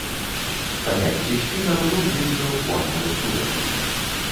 Паняцце спіна было ўведзена ў квантавай тэорыі.